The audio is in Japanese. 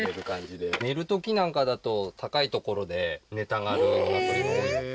寝る時なんかだと高い所で寝たがるニワトリも多いので。